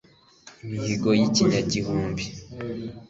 imihigo y'ikinyagihumbi